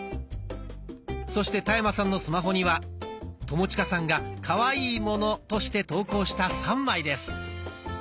そして田山さんのスマホには友近さんが「可愛いもの」として投稿した３枚です。